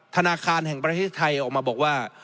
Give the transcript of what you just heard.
ธนาคารแห่งประเทศไทยออกมาบอกว่า